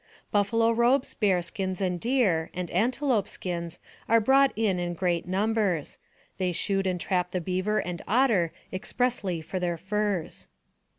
Buffalo robes, bearskins, and deer, and antelope skins are brought in in great numbers; they shoot and trap the beaver and otter expressly for their furs.